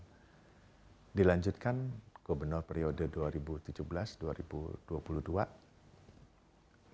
hai dilanjutkan gubernur periode dua ribu tujuh belas dua ribu dua puluh dua membangun kan gitu kan itu kan legacy kan legacy yang